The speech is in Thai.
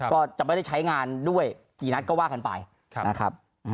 ก็จะไม่ได้ใช้งานด้วยกี่นัดก็ว่ากันไปนะครับ